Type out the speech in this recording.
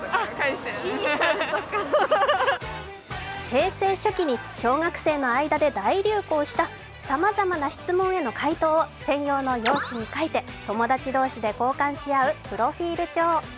平成初期に小学生の間で大流行したさまざまな質問への回答を専用の用紙に書いて友達同士で交換し合うプロフィール帳。